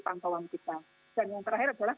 pantauan kita dan yang terakhir adalah